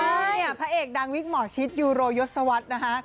ถูกต้ายอ่ะพระเอกดังวิกหมอชิดยูโรยสวรรค์นะคะ